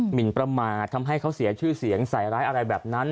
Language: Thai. หินประมาททำให้เขาเสียชื่อเสียงใส่ร้ายอะไรแบบนั้น